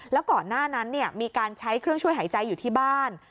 แล้วก่อนหน้านั้นมีการใช้เครื่องช่วยหายใจอยู่ที่บ้าน